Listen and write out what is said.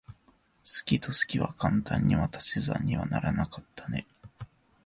好きと好きは簡単には足し算にはならなかったね。